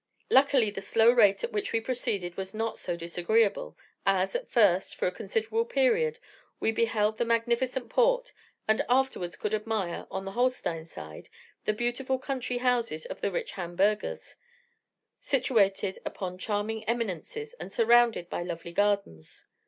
Luckily the slow rate at which we proceeded was not so disagreeable, as, at first, for a considerable period we beheld the magnificent port, and afterwards could admire, on the Holstein side, the beautiful country houses of the rich Hamburghers, situated upon charming eminences and surrounded by lovely gardens.